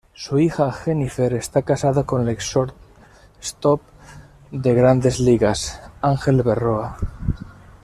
Su hija, Jennifer, está casada con el ex shortstop de Grandes Ligas, Ángel Berroa.